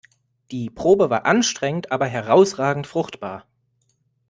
Die Probe war anstrengend aber herausragend fruchtbar.